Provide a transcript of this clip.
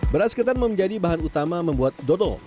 beras ketan menjadi bahan utama membuat dodol